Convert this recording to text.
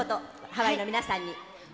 ハワイの皆さんに。